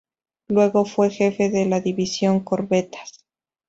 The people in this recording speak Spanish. Luego fue jefe de la División Corbetas.